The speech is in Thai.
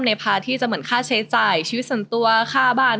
ภาที่จะเหมือนค่าใช้จ่ายชีวิตส่วนตัวค่าบ้าน